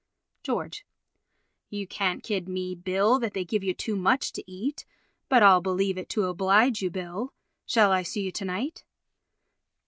George: You can't kid me, Bill, that they give you too much to eat, but I'll believe it to oblige you, Bill. Shall I see you to night?